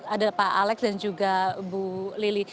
ada pak alex dan juga bu lili